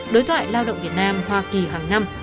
đối thoại lao động việt nam hoa kỳ hàng năm